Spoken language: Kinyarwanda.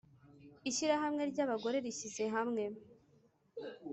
ishirahamwe ry’ abagore ryishize hamwe